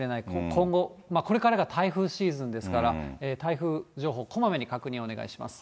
今後、これからが台風シーズンですから、台風情報、こまめに確認お願いします。